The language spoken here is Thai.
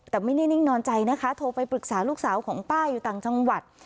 แต่ไม่ได้นิ่งนอนใจนะคะโทรไปปรึกษาลูกสาวของป้าอยู่ต่างจังหวัด